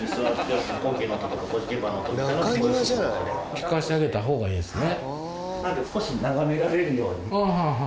聞かせてあげたほうがいいんですね。